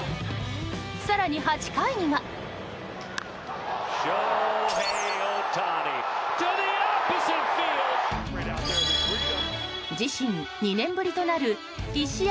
更に８回には自身２年ぶりとなる１試合